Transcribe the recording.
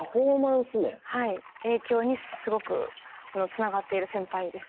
影響にすごくつながっている先輩です。